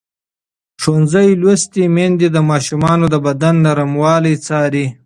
ښوونځې لوستې میندې د ماشومانو د بدن نرموالی څاري.